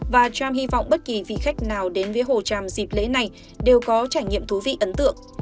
và trump hy vọng bất kỳ vị khách nào đến với hồ tràm dịp lễ này đều có trải nghiệm thú vị ấn tượng